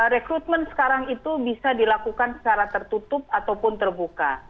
rekrutmen sekarang itu bisa dilakukan secara tertutup ataupun terbuka